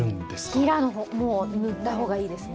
平も塗った方がいいですね。